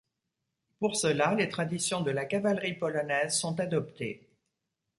Pour cela, les traditions de la cavalerie polonaise sont adoptées.